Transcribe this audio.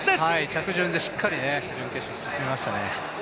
着順でしっかり準決勝決めましたね。